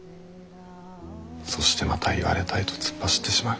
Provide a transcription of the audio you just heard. そしてまた言われたいと突っ走ってしまう。